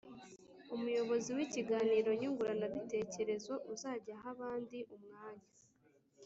umuyobozi w’ikiganiro nyunguranabitekerezo uzajya aha abandi umwanya